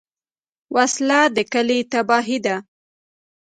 وسله د کلي تباهي ده